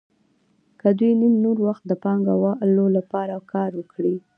که دوی نیم نور وخت د پانګوال لپاره کار وکړي